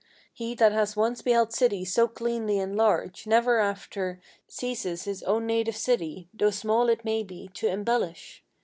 He that has once beheld cities so cleanly and large, never after Ceases his own native city, though small it may be, to embellish.